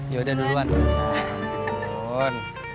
ya udah duluan